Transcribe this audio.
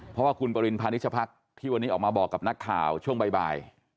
เพราะว่าคุณปริณพานิชพักที่วันนี้ออกมาบอกกับนักข่าวช่วงบ่าย